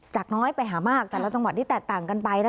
น้อยไปหามากแต่ละจังหวัดที่แตกต่างกันไป